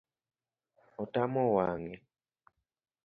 Otamo wang’e